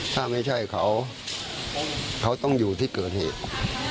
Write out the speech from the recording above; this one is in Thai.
ถ้าไม่ใช่เขาเขาต้องอยู่ที่เกิดเหตุ